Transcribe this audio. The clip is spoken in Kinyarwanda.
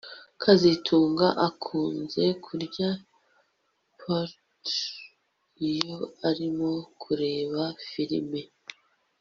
kazitunga akunze kurya popcorn iyo arimo kureba firime